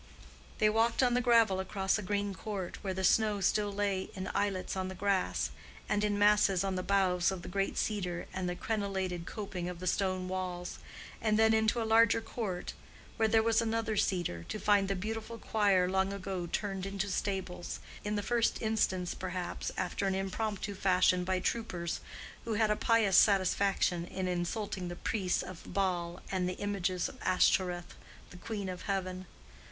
They walked on the gravel across a green court, where the snow still lay in islets on the grass, and in masses on the boughs of the great cedar and the crenelated coping of the stone walls, and then into a larger court, where there was another cedar, to find the beautiful choir long ago turned into stables, in the first instance perhaps after an impromptu fashion by troopers, who had a pious satisfaction in insulting the priests of Baal and the images of Ashtoreth, the queen of heaven.